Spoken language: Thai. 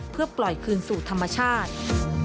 เพื่อปล่อยคืนสู่ธรรมชาติ